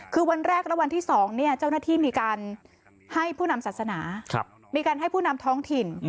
คือวันแรกและวันที่๒เจ้าหน้าที่มีการให้ผู้นำศาสนามีการให้ผู้นำท้องถิ่น